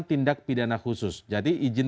tindak pidana khusus jadi izin